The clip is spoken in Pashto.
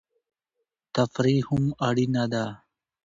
تفریح هم اړینه ده.